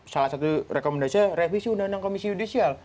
salah satu rekomendasi adalah revisi undang undang komisi judisial